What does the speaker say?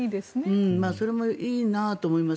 それもいいなと思います。